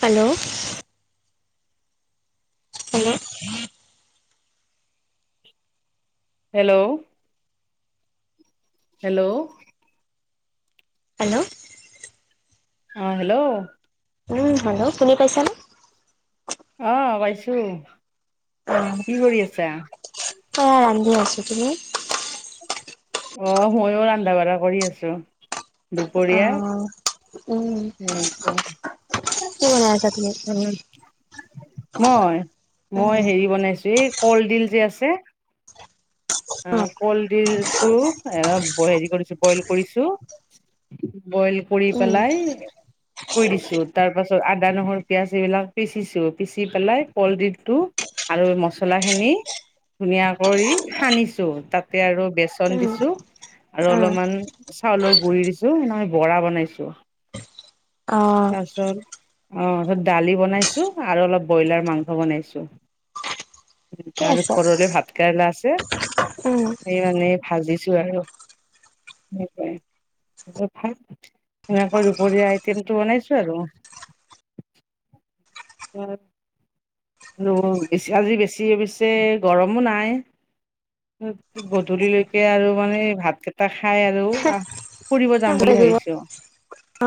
Hello. [inaudible] Hello [inaudible] hello, hello. Hello অ', hello. Um, hello শুনি পাইছানে? অ', পাইছোঁ অ কি কৰি আছা? [unintelligible] ৰান্ধি আছো তুমি? অ', ময়ো ৰান্ধা বঢ়া কৰি আছোঁ। অ', উম উম [unintelligible] কি বনাই আছা তুমি? মই? উম মই হেৰি বনাইছো এই কলডিল যে আছে। অ', কলডিলটো এবা হেৰি কৰিছোঁ বইল কৰিছোঁ। বইল কৰি উম পেলাই থৈ দিছোঁ, তাৰ পাছত আদা, নহৰু, পিয়াঁজ এইবিলাক পিচিছো পিচি পেলাই কলডিলটো আৰু মছলা খিনি ধুনীয়া কৰি সানিছ [unintelligible] তাতে আৰু বেচন উম দিছোঁ। আৰু অ অলপমান চাউলৰ গুৰি দিছোঁ, সেনেকে বৰা বনাইছোঁ। অ তাৰপাছত অ', [inaudible] দালি বনাইছোঁ আৰু অলপ ব্ৰইলাৰ মাংস বনাইছোঁ। ঠিকে আৰু আছে ঘৰলৈ ভাত কেৰেলা আছে। উম সেই মানে ভাজিছোঁ আৰু [unintelligible] [unintelligible] এনেকৈ দুপৰীয়া আইটেমটো বনাইছোঁ আৰু। [unintelligible] আৰু বেছি আজি বেছি অৱশ্যে গৰমো নাই। গধূলিলৈকে আৰু মানে এই ভাতকেইটা খায় আৰু আ ফুৰিব যাম বুলি লাগিব ভাবিছোঁ।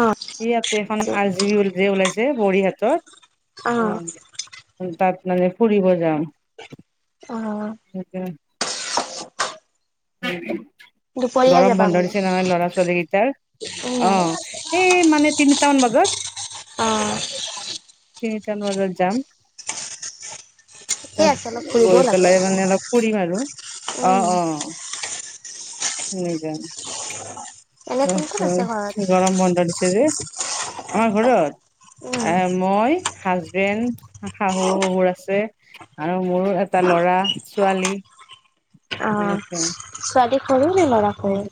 অ ইয়াতে এখন আজি [unintelligible] ওলাইছ তে বৰি অ হাতত। অ', তাত মানে ফুৰিব যাম। অ'। [unintelligible] [unintelligible] দুপৰীয়া গৰম যাবা বন্ধ মানে দিছে নহয় ল'ৰা ছোৱালী কেইটাৰ, উম অ'। এই মানে তিনিটামান বজাত। [inaudible] অ'। তিনিটামান বজাত যাম। ঠিকে তাত আছে অলপ ফুৰিবও গৈ লাগে পেলাই মানে অলপ ফুৰিম আৰু উম অ', অ'। শুনিবা এনে কোন কোন আছে ঘৰত? গৰম বন্ধ দিছে যে আমাৰ উম ঘৰত এ মই হাজবেণ্ড শাহু-শহুৰ আছে। আৰু মোৰো এটা ল'ৰা-ছোৱালী অ', ছোৱালী সৰু নে ল'ৰা সৰু?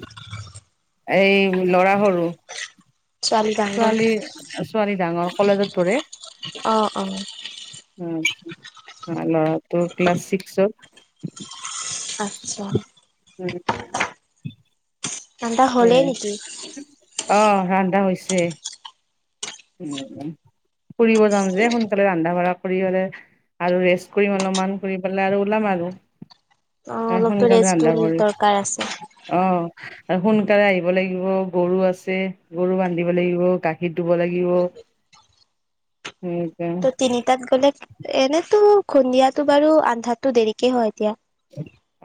এই ল'ৰা সৰু। ছোৱালী ডাঙৰ ছোৱালী-ছোৱালী ডাঙৰ কলেজত পঢ়ে। অ, অ ও ল'ৰাটো ক্লাছ ছিক্সত। আচ্ছা ও ঠাণ্ডা পৰে হ'লেই নেকি? অ ৰন্ধা হৈছে। উ' ফুৰিব যাম যে, সোনকালে ৰন্ধা-বঢ়া কৰি হলে আৰু ৰেষ্ট কৰিম অলপমান কৰি পেলাই আৰু ওলাম আৰু। অ অলপতো সোনকালে ৰেষ্টটো ৰান্ধা কৰিম দৰকাৰ আছে অহ আৰু সোনকালে আহিব লাগি গৰু আছে, গৰু বান্ধিব লাগিব, গাখীৰ ধুব লা গিব উম ত' তিনিটাত গ'লে, এনেতো সন্ধিয়াটো বাৰু আন্ধাতো দেৰিকে হয় এতিয়া।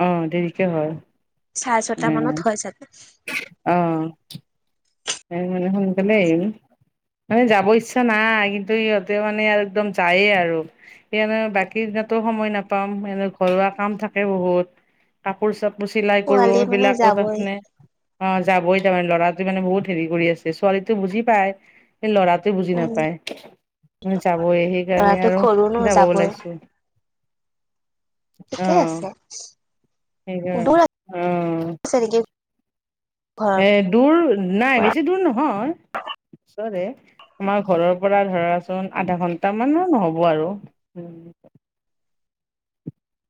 অহ দেৰিকে হয়। চাৰে ছটা মানত হয় চাগে উ অহ এ' মানে সোনকলে এৰিব মানে যাব ইচ্ছা নাই কিন্তু ইহঁতে মানে একদম যায়ে আৰু। বাকি দিনো সময় নাপাম এনে ঘৰুৱা কাম থাকে বহুত। কাপোৰ-চাপোৰ চিলাই কৰো। পোৱালি মানে সেইবিলাকো তাৰ যাবই মানে অ' যাবই তাৰমানে ল'ৰাটো মানে বহুত হেৰি কৰি আছে ছোৱালীটো বুজি পাই ল'ৰাটোৱে বুজি উম নাপায়, মানে যাবই সেইকাৰণে ল'ৰাটো আৰু সৰু ন যাব যাবই ওলাইছো। ঠিকেই আছে। দূৰ সেইকাৰণে অ' আছে নেকি ঘৰৰ এক দূৰ নাই পৰা বেছি দূৰ নহয়, ওচৰতে আমাৰ ঘৰৰ পৰা ধৰা আধা ঘন্টামানৰ নহ'ব আৰু।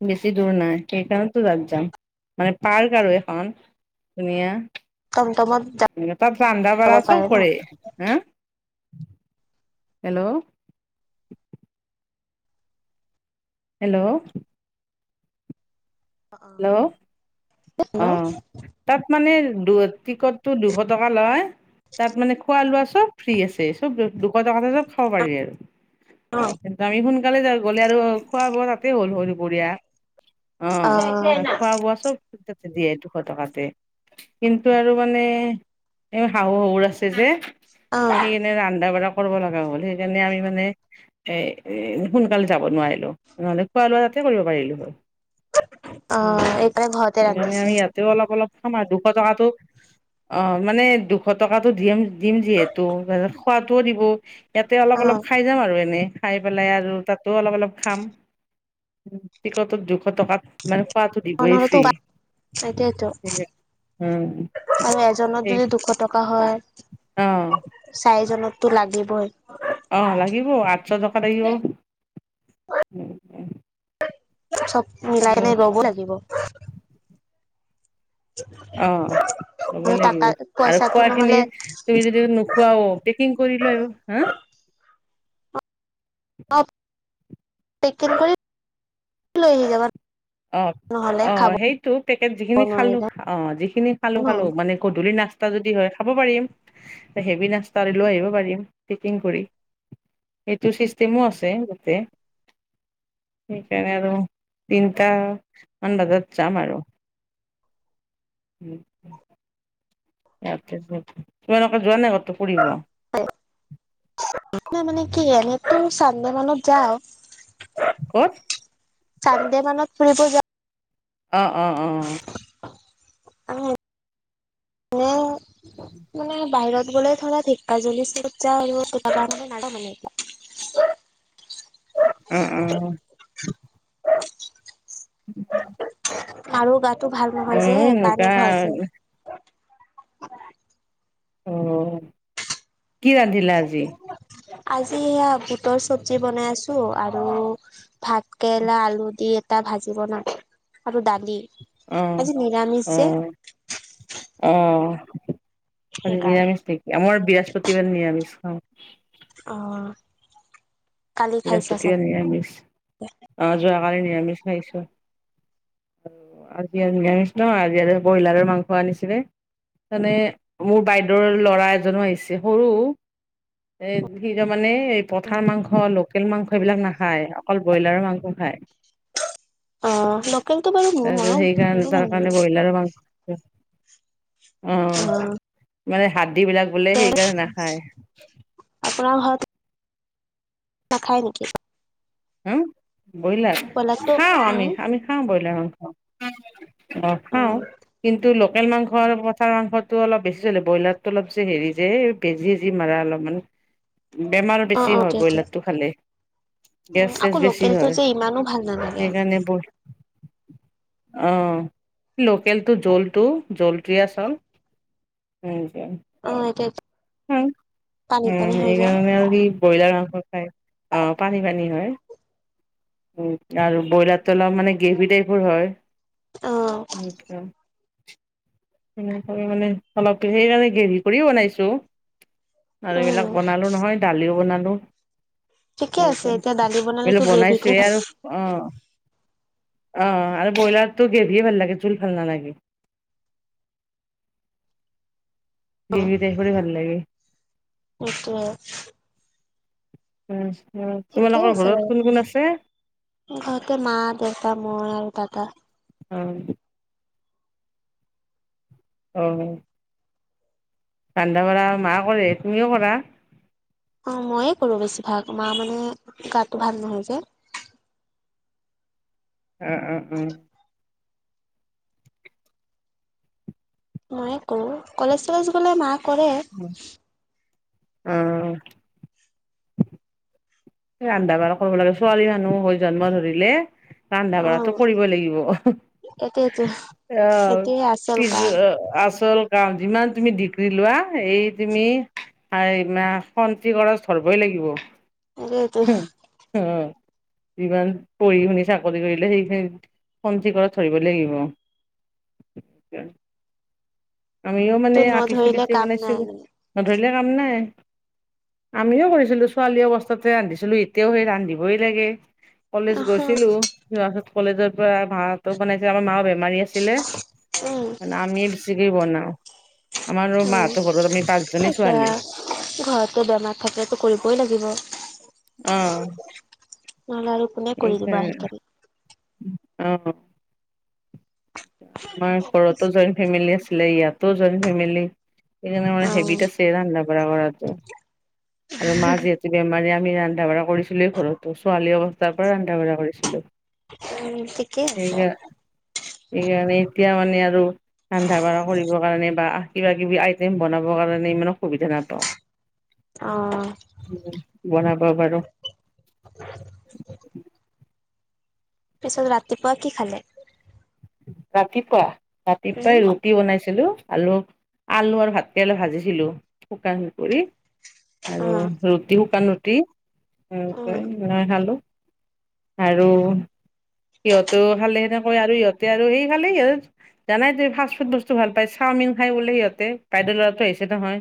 বেছি দূৰ নাই সেইকাৰণেতো য-যাম মানে পাৰ্ক আৰু এখন। টমটমত ধুনীয়া তাত যাব ৰন্ধা-বাঢ়া পাৰে চব ন কৰে। হা হেল্ল' হেল্ল' হেল্ল' হেল্ল' অ' তাত মানে দু টিকটটো দুশ টকা লয়। তাত মানে খোৱা-লোৱা চব ফ্ৰী আছে। চব দুশ টকাতে চব খাব পাৰি আৰু অ অহ আমি সোনকালে যা গ'লে আৰু খোৱা-বোৱা তাতেই হ'ল হয় দুপৰীয়া অ' অ পোৱা চব তাতে দিয়ে দুশ টকাতে। কিন্তু আৰু মানে এই শাহু-শহুৰ আছে যে অ' নে ৰন্ধা-বঢ়া কৰিব লগা হ'ল সেইকাৰণে আমি মানে এই সোনকালে যাব নোৱাৰিলো। নহ'লে খোৱা-লোৱা তাতে কৰিব পাৰিলো হয়। অ এইফালে ঘৰতে সেইকাৰণে ৰান্ধিছে আমি ইয়াতেও অলপ-অলপ কমা দুশ টকাটো অ' মানে দুশ টকাতো দিম-দিম দিয়ে যিহেতু খোৱাটোও দিব। ইয়াতে অ অলপ-অলপ খাই যাম আৰু এনেই খাই পেলাই, আৰু তাতো অলপ-অলপ খাম। টিকটো দুশ টকা মানে খোৱাটো দিবই ফ্ৰী। চাৰিটাইটো। উম আৰু এজনত সেই যদি দুশ টকা হয় অ চাৰিজনততো লাগিবই। অ, লাগিব আঠশ টকা লাগিব। চব মিলাই অ কেনে গব লাগিব। অ, ল'বই লাগিব টাকা আৰু পইচাটো খোৱা খিনি নহ'লে তুমি যদি নোখোৱাও পেকিং কৰি লৈ আহিব, হা অ, পেকিং কৰি লৈ আহি যাবা। অ, নহ'লে অ, খাব সেইটো পেকেট যিখিনি খালো নোৱাৰিলে অ, যিখিনি খালো, ন খালো মানে গধূলি নাচ যদি হয় খাব পাৰিম হেভি নাস্তা লৈ আহিব পাৰিম, পকিং কৰি। সেইটো চিষ্টেমো আছে তাতে সেইকাৰণে আৰু তিন তা, মান বজাত যাম আৰু। তোমালোকে যোৱা নাই কতো ফুৰিব? [unintelligible] ক'ত? চান্দে মানত ফুৰিব যাম অ, অ, অ, [inaudible] মানে বাহিৰত গ'লে ধৰা ধেক্কা জলি চাইদত যাওঁ আৰু [inaudible] উম, উম, মাৰো গাতো ভাল নহয় ময়ো যে, সেই এনেকুৱা কাৰণে ঘৰত যাওঁ। উম, কি ৰান্ধিলা আজি? আজি এয়া বুটৰ চবজি বনাইছো আৰু ভাত কেৰেলা আলু দি এটা ভাজি বনাম আৰু দালি। অ আজি নিৰামিছ যে। অ অ, আজি সেইকাৰণে নিৰামিছ নেক আমাৰ বৃহস্পতিবাৰ নিৰামিছ খাওঁ। অ, কালি খাইছা বৃহস্পতিৰে চাগে নিৰামিছ অ, যোৱাকালি নিৰামিছ খাইছো। আজি আৰু ন, আজি ব্ৰইলাৰৰ মাংস আনিছিলে। মানে, মোৰ বাইদেউৰ ল'ৰা এজনো আহিছে সৰু। এ, ভিৰে মানে এই পথাৰ মাংস লোকেল মাংস এইবিলাক নাখায় অকল ব্ৰইলাৰ মাংস খায়। অ লোকেলটো বাৰু মোৰ তাৰপিছত মৰম সেইকাৰণে মোৰো ভাল তাৰ লাগে কাৰণে ব্ৰইলাৰ মাংস উম, ইয়াৰে হাতদি বিলাক বোলে সেইকাৰণে নাখায় আপোনা ঘৰত নাখাই নেকি? হা, ব্ৰইলাৰ ব্ৰইলাৰটো উম খাওঁ আমি আমি খাওঁ ব্ৰইলাৰ মাংস। অ, খাওঁ কিন্তু লোকেল মাংস মাংস পথাৰ মাংসটো অলপ বেছি চলে ব্ৰইলাৰতটো অলপ যে হেৰি যে বেজি যি মাৰা অলপমান বেমাৰো অ বেছি অ হ'বয়ে দিয়া দিয়া ব্ৰইলাৰটো খালে। উম গেছ-চেছ আকৌ বেছি লোকেলটো হয় যে ইমানো ভাল নালাগে সেইকাৰণে বো অ লকেলটো জলটো জলটিয়া আচল হম ক অ এতিয়া হয় পানী অ পানী হৈ যায় সেইকাৰণে আৰু সি ব্ৰইলাৰ মাংস খাই অ পানী পানী হয় উম আৰু ব্ৰইলাৰটো অলপ মানে গ্ৰেভি টাইপৰ অ হয় সনে মানে অলপ সেইকাৰণে গ্ৰেভি কৰিও বনাইছো আৰু এইবিলাক উম বনালোঁ নহয় দালিও বনালোঁ ঠিকে আছে এতিয়া দালি বনালেতো গ্ৰেভিকে বনাইছোৱে ভাল আৰু লাগে। অ অ আৰু ব্ৰইলাৰতো গ্ৰেভিয়ে ভাল লাগে জোল ভাল নালাগে গ্ৰেভি টাইপৰে ভাল লাগে সেইটোৱে তাৰপিছত ঠিকে তোমালোকৰ আছে ঘৰত বাৰু কোন কোন আছে? ঘৰতে মা-দেউতা মই আৰু দাদা অ অ ৰান্ধা বাঢ়া মা কৰে তুমিও কৰা? অ মইয়ে কৰো বেছিভাগ মা মানে গাটো ভাল নহয় যে অ অ উম ময়ে কৰো কলেজ চলেজ গ'লে মা কৰে অ এ ৰান্ধা বাঢ়া কৰিব লাগে ছোৱালী মানুহ হৈ জন্ম ধৰিলে ৰান্ধা অ বাঢ়াটো কৰিবই লাগিব এইটোৱেতো অ এইটোৱে আচল পিছ কাম আচল অ যিমান তুমি ডিগ্ৰী লোৱা এই তুমি হাই না খন্তি গৰছ ধৰবই লাগিব। তাকেইতো হয় যিমান পঢ়ি শুনি চাকৰি কৰিলেও সেইখিনি ফোন ঠিকত ধৰিব লাগিব। [inaudible] আমিও তো মানে নধৰিলে আঁপিচিলিতি মানে কাম নাই বনাইছোঁ মানে। নধৰিলে কাম নাই। আমিও কৰিছিলো ছোৱালী অৱস্থাতে ৰান্ধিছিলো এতিয়াও সেই ৰান্ধিবই লাগে। কলেজ অহ গৈছিলো যোৱা পাছত কলেজৰ পৰাই ভাত বনাইছিলে আমাৰ মাও বেমাৰী আছিলে উম আমিয়ে বেছি বনাও আমাৰো মাহতৰ ঘৰত আমি পাঁচজনী ছোৱালী। ঘৰতো বেমাৰ থাকিলেতো কৰিবই লাগিব। অ নালা এ খাই অ আমাৰ ঘৰতো জইণ্ট ফেমিলি আছিলে ইয়াতো জইণ্ট ফেমিলি সেইকাৰণে মানে অ হেবিট আছি লে ৰান্ধা বাঢ়া কৰাটো আৰু মা যিহেতু বেমাৰী আমি ৰান্ধা বাঢ়া কৰিছিলোয়ে ঘৰতো ছোৱালী অৱস্থাৰ পৰাই ৰান্ধা বাঢ়া কৰিছিলোঁ উম ঠিকেই আছে। এয়া আমি এতিয়া মানে আৰু ৰান্ধা বাঢ়া কৰিবৰ কাৰণে বা কিবা কিবি আইটেম বনাবৰ কাৰণে ইমান সুবিধা নাপাওঁ। অ বনাব বাৰু পিছত ৰাতিপুৱা কি খালে? ৰাতিপুৱা উম ৰাতিপুৱাই ৰু টি বনাইছিলো আলু আলু আৰু ভাতকেৰেলা ভাজিছিলো শুকান কৰি অ আৰু ৰুটি শুকান ৰুটি উম সেনেকৈ বনাই খালোঁ। আৰু সিহঁতো খালে সেনেকৈ আৰু সিহঁতে আৰু সেই খালে ইয়াত জানাই যে ফাষ্ট ফুড বস্তু ভাল পাই চাওমিন খাই বোলে সিহঁতে বাইদেউ ল'ৰাটো আহিছে নহয়।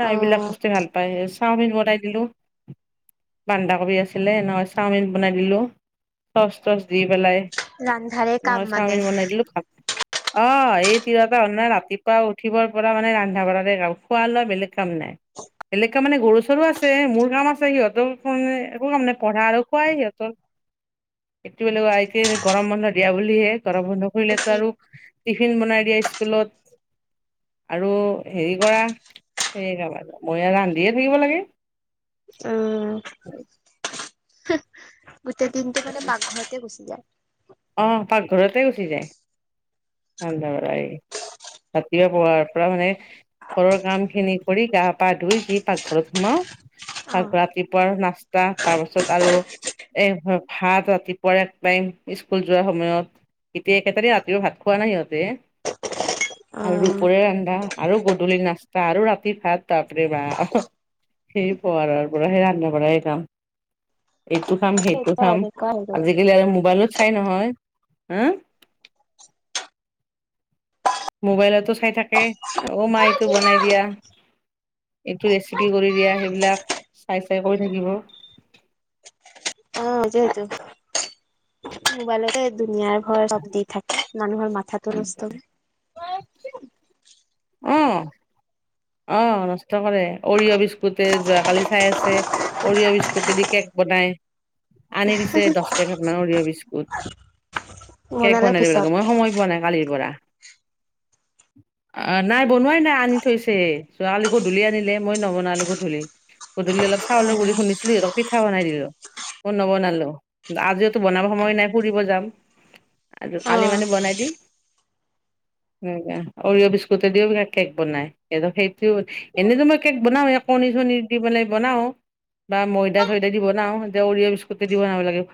চা অ এইবিলাক বস্তুৱে ভাল পায় চাওমিন বনাই দিলোঁ। বন্ধাকবি আছিলে এনেকৈ চাওমিন বনাই দিলোঁ চচ তচ দি পেলাই। ৰান্ধাৰে কাম নহয় মানে চাওমিন বনাই দিলো খাক অ এই তিৰটা হল নাই ৰাতিপুৱা উঠিবৰ পৰা মানে ৰন্ধা বঢ়াৰে কাম খোৱা লোৱা বেলেগ কাম নাই। বেলেগ কাম মানে গৰু চৰু আছে মোৰ কাম আছে সিহঁতৰ কাৰণে একো কাম নাই পঢ়া আৰু খোৱাই সিহঁতক। সিটো বোলো আই তি গৰম বন্ধ দিয়া বুলি বুলিহে গৰম বন্ধ খুলিলে আৰু টিফিন বনাই দিয়া স্কুলত। আৰু হেৰি কৰা সেই কাম আৰু মইয়ে ৰান্ধিয়ে থাকিব লাগে। উম গোটেই দিনটো মানে পাকঘৰতে গুচি যায়। অ পাকঘৰতে গুচি যায়। ৰান্ধা বাঢ়াই ৰাতিপুৱাৰ পোৱাৰ পৰা মানে ঘৰৰ কাম খিনি কৰি গা পা ধুই যি পাকঘৰত সোমাও অ পাকঘৰাত ৰাতি পুৱাৰ নাস্তা তাৰ পাছত আৰু এ ভাত ৰাতিপুৱাই একটাইম স্কুল যোৱাৰ সময়ত এতিয়া একেটাৰিও ৰাতিৰো ভাত খোৱা নাই সিহঁতে। অ আৰু ৰূপৰে ৰান্ধা আৰু গধূলি নাস্তা আৰু ৰাতি ভাত বাবৰেবাব। সেই পোৱাৰৰ পৰা সেই ৰান্ধা বাঢ়াই কাম। এইটো খাম, সেইটো এতিয়া খাম, এনেকুৱা হৈ গ'ল আজিকালি আৰু মোবাইলত চাই নহয় হা মোবাইলতো চাই থাকে। অ', মাই, এইটো বনাই দিয়া। এইটো ৰেচিপি কৰি দিয়া, সেইবিলাক চাই-চাই কৰি থাকিব। অ', যিহেতু মোবাইলতেই দুনিয়াৰ হয় চব দি থাকে, মানুহৰ মূৰটো নষ্ট হয় উম, আহ নষ্ট কৰে অৰিঅ' বিস্কুটে, যোৱাকালি চাই আছে। অৰিঅ' বিস্কুটেদি কেক বনায়। আনি দিছে দছ পেকেটমানৰ অৰিঅ' বিস্কুট। কেক বনালে বনাই দিব লাগে মই পিছত সময় পোৱা নাই কালিৰ পৰা। নাই, বনোৱাই নাই আনি থৈছে হে। ছোৱালীকো ধলি আনিলে, মই নবনালো গোধূলি গোধূলি অলপ চাউলৰ গুড়ি খুন্দিছিলোঁ সিহঁতক পিঠা বনাই দিলোঁ। অ নবনালোঁ। আজিও টো বনাব সময় নাই ফুৰিব যাম। আৰু কাইলৈ অ মানি বনাই দিম, সেনেকে অৰিঅ' বিস্কুট তোতেদিও কেক বনায়। এ ত সেইটো এনেইতো মই কেক বনায়ে কণী, চেনি দি পেলাই বনাওঁ। বা, ময়দা-চয়দা দিব বনাও এতিয়া অৰিঅ' বিস্কুটেদি বনাব‌ লাগে ভা